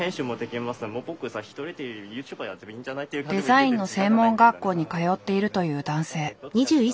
デザインの専門学校に通っているという男性。